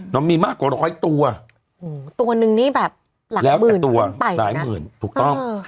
มีมากกว่าร้อยตัวตัวนึงนี่แบบหลักแล้วแต่ตัวหลายหมื่นถูกต้อง